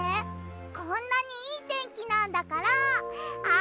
こんなにいいてんきなんだからあそぼうよ！